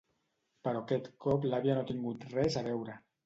Però aquest cop l'àvia no hi ha tingut res a veure.